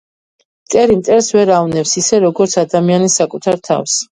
მტერი მტერს ვერ ავნებს ისე როგრც ადამიანი საკუთარ თავს.